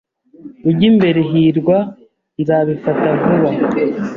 Ujya imbere, hirwa. Nzabifata vuba.